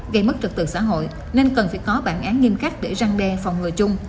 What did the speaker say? gây mất trật tự xã hội nên cần phải có bản án nghiêm khắc để răng đe phòng ngừa chung